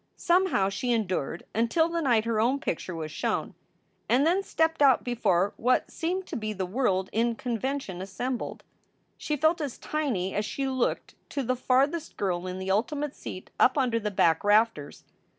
Somehow she endured until the night her own picture was shown, and then stepped out before what seemed to be the world in convention assembled. She felt as tiny as she looked to the farthest girl in the ultimate seat up under the back rafters.